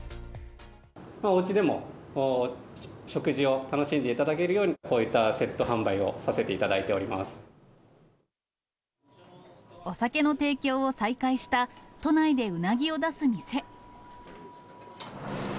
おうちでも食事を楽しんでいただけるように、こういったセット販売をさせていただいておりまお酒の提供を再開した、都内でうなぎを出す店。